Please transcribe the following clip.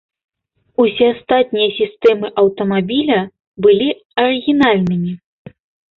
Усе астатнія сістэмы аўтамабіля былі арыгінальнымі.